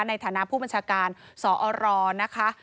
ในฐานะผู้บัญชาการสอรนะคะ